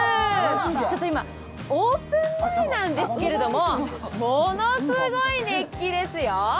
今、オープン前なんですけれども、ものすごい熱気ですよ。